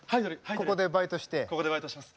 ここでバイトしてます。